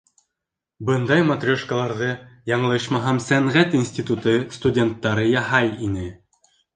Бындай матрешкаларҙы, яңылышмаһам, сәнғәт институты студенттары яһай ине.